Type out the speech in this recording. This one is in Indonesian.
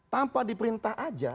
tanpa di perintah aja